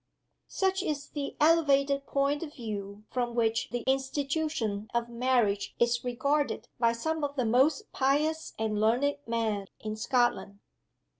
Such is the elevated point of view from which the Institution of Marriage is regarded by some of the most pious and learned men in Scotland.